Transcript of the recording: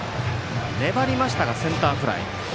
粘りましたがセンターフライ。